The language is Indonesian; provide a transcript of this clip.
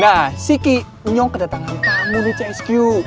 nah sikinyo kedatangan kamu nih csq